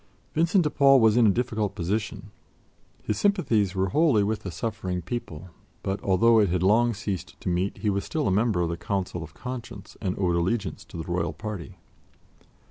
Vincent de Paul was in a difficult position. His sympathies were wholly with the suffering people; but, although it had long ceased to meet, he was still a member of the Council of Conscience and owed allegiance to the Royal party.